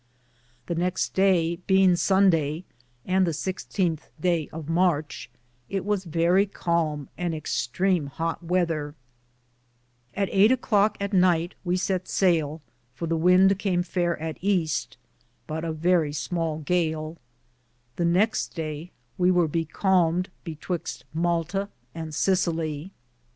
The nexte day, beinge Sundaye, and the i6th daye of Marche, it was verrie calme and extreame hoote wether ; at 8 a clocke at nyghte we sett saile, for the wynde came faire at easte, but a verrie smale gale ; the next day we weare becalmed betwixte Malta and Cesillia.